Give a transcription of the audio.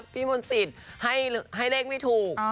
พี่มนตสิตให้เลขไม่ถูก